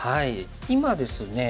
今ですね